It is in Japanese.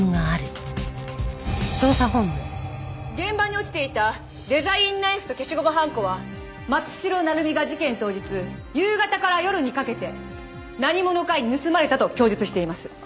現場に落ちていたデザインナイフと消しゴムはんこは松代成実が事件当日夕方から夜にかけて何者かに盗まれたと供述しています。